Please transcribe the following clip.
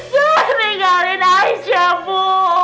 jangan tinggalin aisyah bu